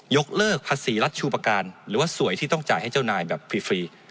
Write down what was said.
ยกเลิกภาษีรัชชูประการหรือว่าสวยที่ต้องจ่ายให้เจ้านายแบบฟรี